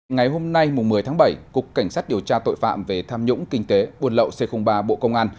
ngày hôm nay một mươi tháng bảy cục cảnh sát điều tra tội phạm về tham nhũng kinh tế buôn lậu c ba bộ công an